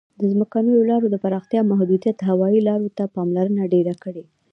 د ځمکنیو لارو د پراختیا محدودیت هوایي لارو ته پاملرنه ډېره کړې.